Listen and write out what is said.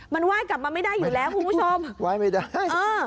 มันไหว้กลับมาไม่ได้อยู่แล้วคุณผู้ชมไหว้ไม่ได้เออ